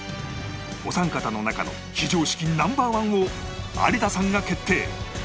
お三方の中の非常識 Ｎｏ．１ を有田さんが決定！